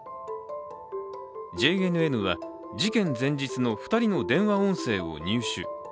ＪＮＮは、事件前日の２人の電話音声を入手。